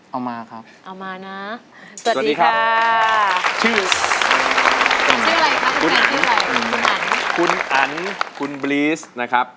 เอามาครับสวัสดีครับชื่อคุณอันคุณบรีซนะครับ